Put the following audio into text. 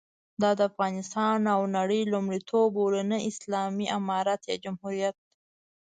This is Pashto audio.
دا د افغانستان او نړۍ بریالیتوب بولو، نه اسلامي امارت یا جمهوریت.